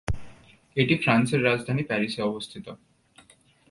এটি ফ্রান্সের রাজধানী প্যারিসে অবস্থিত।